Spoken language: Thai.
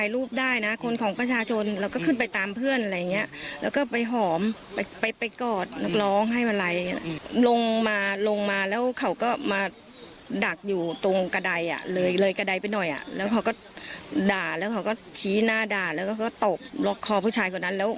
ลูกชายเขาต้อยแล้วก็ล่วงลงไปเลย